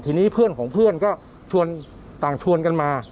ทีนี้เพื่อนของเพื่อนก็ชวนต่างชวนกันมา